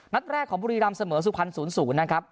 นัดแรกของบุรีรำเสมอสุขันศูนย์ศูนย์นะครับ